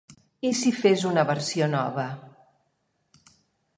I si fes una versió nova.